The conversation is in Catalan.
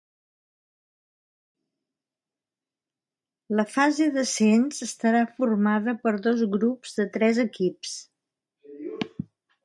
La fase d'ascens estarà formada per dos grups de tres equips.